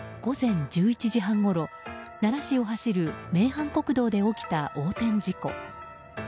午前１１時半ごろ、奈良市を走る名阪国道で起きた横転事故。